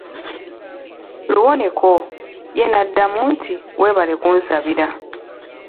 Luwoneko, ye n'addamu nti weebale kunsabira.